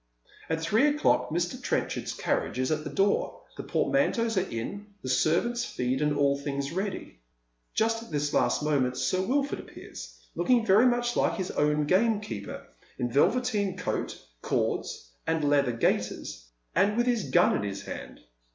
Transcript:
At three o'clock Mr. Trenchard's carriage is at the door, the poiimanteaus are in, the servants feed, and all things ready. Just at this last moment Sir Wilford appears, looking very much like his own gamekeeper, in velveteen coat, cords, and leather gaiters, and with his gun in his hand.